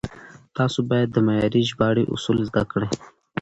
تاسو بايد د معياري ژباړې اصول زده کړئ.